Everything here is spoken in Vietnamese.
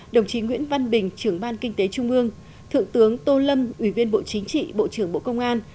đồng chí nguyễn văn bình trưởng ban kinh tế trung ương thượng tướng tô lâm ủy viên bộ chính trị bộ trưởng bộ công an